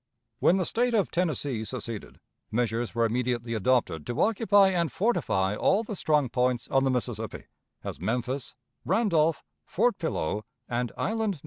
When the State of Tennessee seceded, measures were immediately adopted to occupy and fortify all the strong points on the Mississippi, as Memphis, Randolph, Fort Pillow, and Island No.